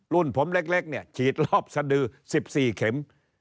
ผมเล็กเนี่ยฉีดรอบสดือ๑๔เข็ม